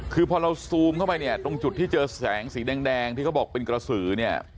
คือพอเราซูมเข้าไปเนี่ยตรงจุดที่เจอแสงสีแดงที่เขาบอกเป็นกระสือเนี่ย